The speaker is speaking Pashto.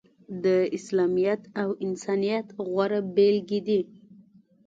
د اسلامیت او انسانیت غوره بیلګې دي.